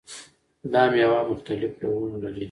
دا میوه مختلف ډولونه لري.